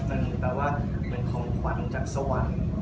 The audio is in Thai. มันแปลว่าเป็นของขวัญจากสวรรค์